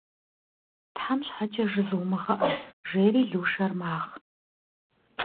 Тхьэм щхьэкӏэ, жызумыгъэӏэ!- жери Лушэр магъ.